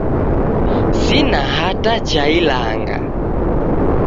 Sina hata ja ilanga!